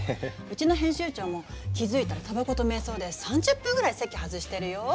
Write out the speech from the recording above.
うちの編集長も気付いたらたばこと瞑想で３０分くらい席外してるよ。